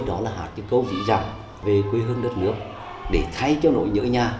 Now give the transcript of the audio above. đó là hát những câu dĩ dặn về quê hương đất nước để thay cho nỗi nhỡ nhà